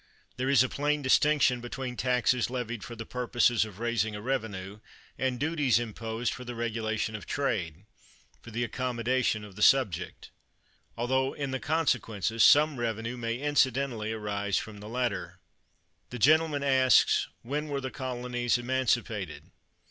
There is a plain distinction between taxes levied for the purposes of raising a revenue, and duties imposed for the regula tion of trade, for the accommodation of the subject; altho, in the consequences, some revenue may incidentally arise from the latter. 206 CHATHAM The gentleman asks, When were the colonies emancipated?